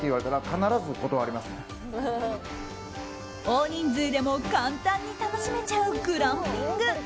大人数でも簡単に楽しめちゃうグランピング。